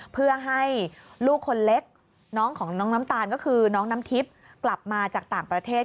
เพื่อให้ลูกคนเล็กน้องของน้องน้ำตาลก็คือน้องน้ำทิพย์กลับมาจากต่างประเทศ